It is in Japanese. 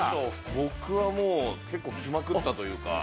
僕はもう、結構、来まくったというか。